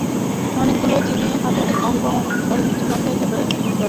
অনেকগুলো চীনে জাহাজ হংকং ও ক্যাণ্টনের মধ্যে যাতায়াত করে।